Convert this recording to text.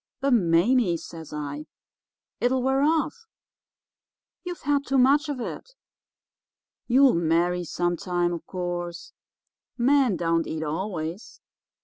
"'But, Mame,' says I, 'it'll wear off. You've had too much of it. You'll marry some time, of course. Men don't eat always.